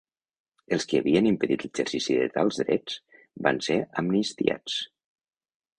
Els qui havien impedit l'exercici de tals drets, van ser amnistiats.